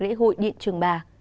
lễ hội điện trường bà